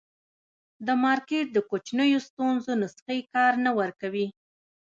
د مارکېټ د کوچنیو ستونزو نسخې کار نه ورکوي.